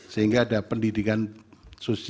sehingga ada pendidikan sosial ada pendidikan teknologi